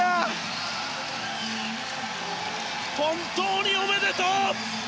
本当におめでとう！